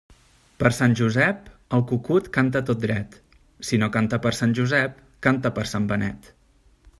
Per Sant Josep, el cucut canta tot dret; si no canta per Sant Josep, canta per Sant Benet.